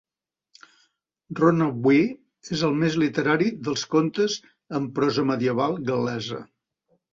"Rhonabwy" és el més literari dels contes en prosa medieval gal·lesa.